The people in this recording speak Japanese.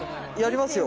やりますよ？